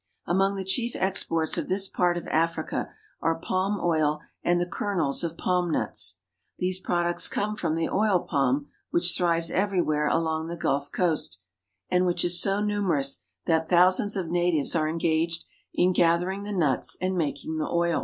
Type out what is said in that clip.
Among the chief exports of this part of Africa are palm oil and the kernels of palm nuts. These products come from the oil palm, which thrives everywhere along the Gulf Coast, and which is so numerous that thousands of natives ed in gathering the nuts and making the oil.